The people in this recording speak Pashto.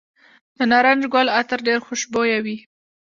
د نارنج ګل عطر ډیر خوشبويه وي.